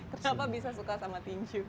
kenapa bisa suka sama tinju